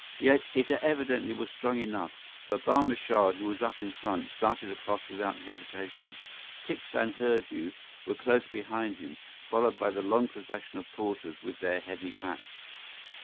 Yet it evidently was strong enough, for Barma Shah, who was up in front, started across without hesitation. Tikse and Hurdu were close behind him, followed by the long procession of porters with their heavy packs.